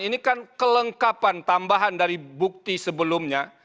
ini kan kelengkapan tambahan dari bukti sebelumnya